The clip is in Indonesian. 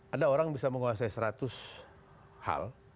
ada orang bisa menguasai seratus hal